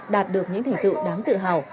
đạt được những thầy tự đáng tự hào